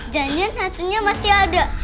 jangin hantunya masih ada